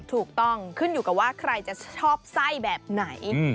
ถูกต้องขึ้นอยู่กับว่าใครจะชอบไส้แบบไหน